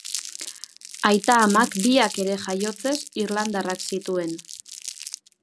Aita-amak biak ere jaiotzez irlandarrak zituen.